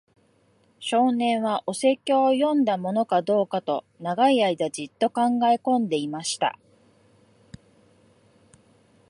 少年は、お説教を読んだものかどうかと、長い間じっと考えこんでいました。